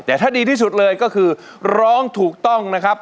แต่ถ้าดีที่สุดเลยก็คือร้องถูกต้องนะครับ